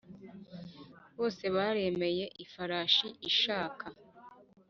bose baremereye ifarashi ishaka!